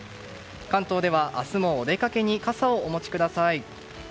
関東では明日もお出かけに傘をお持ちください。